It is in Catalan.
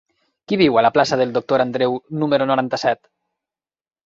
Qui viu a la plaça del Doctor Andreu número noranta-set?